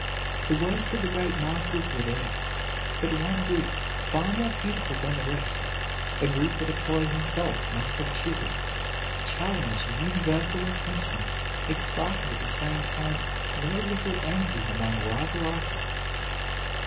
The works of the great masters were there. But one group, far more beautiful than the rest, a group that Apollo himself must have chiseled, challenged universal attention, exciting at the same time no little envy among rival artists.